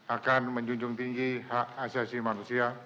akan menjunjung tinggi hak asasi manusia